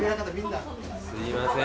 すいません。